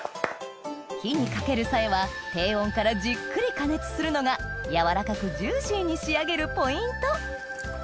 火にかける際は低温からじっくり加熱するのが軟らかくジューシーに仕上げるポイント